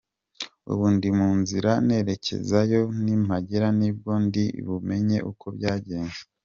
Ubu ndi mu nzira nerekezayo, nimpagera ni bwo ndi bumenye uko byagenze.